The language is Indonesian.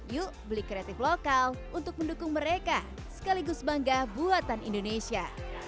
yuk beli kreatif lokal untuk mendukung mereka sekaligus bangga buatan indonesia